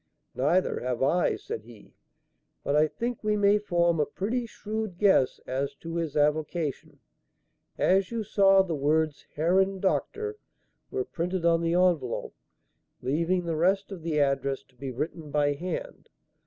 "Neither have I," said he; "but I think we may form a pretty shrewd guess as to his avocation. As you saw, the words 'Herrn Dr.' were printed on the envelope, leaving the rest of the address to be written by hand.